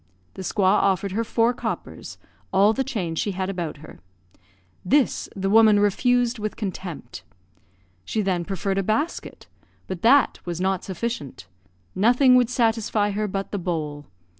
The squaw offered her four coppers, all the change she had about her. This the woman refused with contempt. She then proffered a basket; but that was not sufficient; nothing would satisfy her but the bowl.